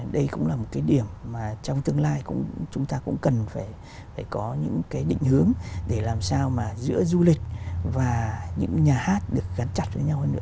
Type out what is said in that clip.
đây cũng là một cái điểm mà trong tương lai chúng ta cũng cần phải có những cái định hướng để làm sao mà giữa du lịch và những nhà hát được gắn chặt với nhau hơn nữa